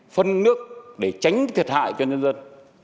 phân nước để tránh thiệt hại cho nhân dân